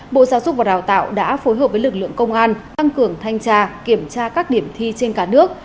bộ giáo dục và đào tạo đã phối hợp với lực lượng công an tăng cường thanh tra kiểm tra các điểm thi trên cả nước